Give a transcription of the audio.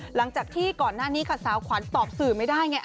หลังจากที่ก่อนหน้านี้ค่ะสาวขวัญตอบสื่อไม่ได้ไง